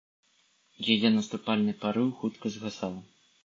Яе наступальны парыў хутка згасаў.